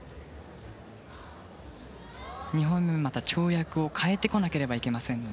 ２本目は跳躍を変えなければいけません。